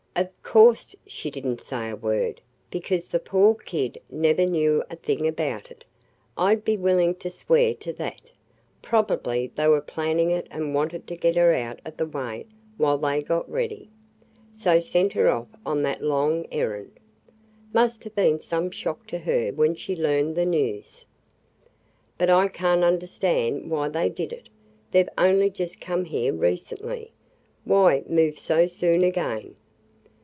"Of course she did n't say a word, because the poor kid never knew a thing about it! I 'd be willing to swear to that! Probably they were planning it and wanted to get her out of the way while they got ready, so sent her off on that long errand. Must have been some shock to her when she learned the news!" "But I can't understand why they did it. They 've only just come here recently. Why move so soon again?"